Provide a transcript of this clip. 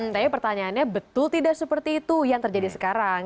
tapi pertanyaannya betul tidak seperti itu yang terjadi sekarang